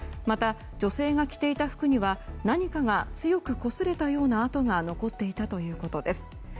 また女性が着ていた服には何かが強くこすれたような跡が残っていたということです。